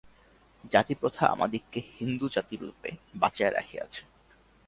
জাতিপ্রথা আমাদিগকে হিন্দুজাতিরূপে বাঁচাইয়া রাখিয়াছে।